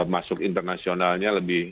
masuk internasionalnya lebih